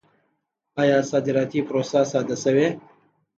آیا صادراتي پروسه ساده شوې؟